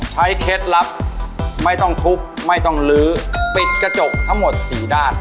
เคล็ดลับไม่ต้องทุบไม่ต้องลื้อปิดกระจกทั้งหมดสี่ด้าน